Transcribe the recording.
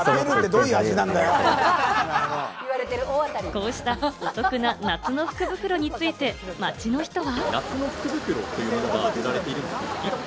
こうした夏の福袋について街の人は。